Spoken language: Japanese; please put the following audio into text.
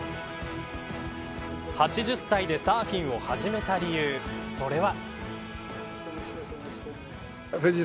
８０歳でサーフィンを始めた理由それは。